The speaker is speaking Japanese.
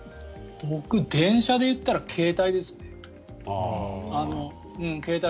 僕、電車でいったら携帯ですね。